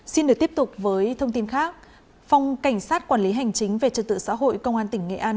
xin được tiếp tục với thông tin khác phòng cảnh sát quản lý hành chính về trật tự xã hội công an tỉnh nghệ an